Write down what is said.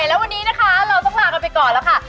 แล้ววันนี้นะคะเราต้องลากันไปก่อนแล้วค่ะ